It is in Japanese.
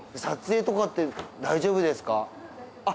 撮影とかって大丈夫ですか？